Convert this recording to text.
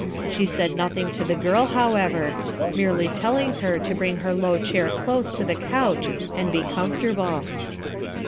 She said nothing to the girl, however, merely telling her to bring her low chair close to the couch and be comfortable.